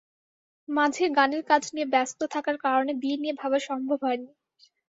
মাঝে গানের কাজ নিয়ে ব্যস্ত থাকার কারণে বিয়ে নিয়ে ভাবা সম্ভব হয়নি।